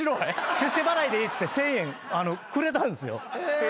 「出世払いでいい」っつって１，０００円くれたんですよ。